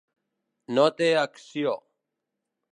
No té acció.